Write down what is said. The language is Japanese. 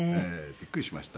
びっくりしました。